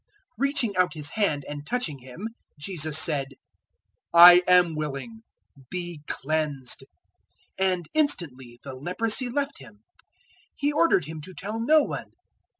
005:013 Reaching out His hand and touching him, Jesus said, "I am willing; be cleansed!" And instantly the leprosy left him. 005:014 He ordered him to tell no one.